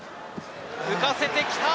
浮かせて来た。